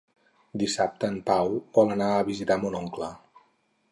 Dissabte en Pau vol anar a visitar mon oncle.